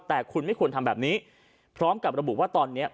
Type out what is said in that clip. แต่คุณไม่ควรทำแบบนี้พร้อมกับระบุว่าตอนนี้